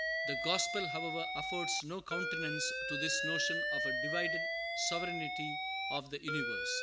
The gospel, however, affords no countenance to this notion of a divided sovereignty of the universe.